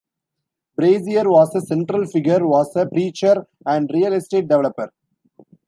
Brazier was a central figure was a preacher and real estate developer.